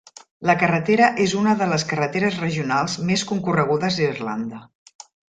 La carretera és una de les carreteres regionals més concorregudes d"Irlanda.